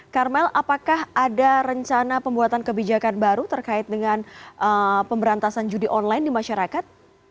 karmel apakah ada rencana pembuatan kebijakan baru terkait dengan pemberantasan judi online di masyarakat